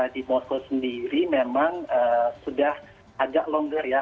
di moskow sendiri memang sudah agak longgar ya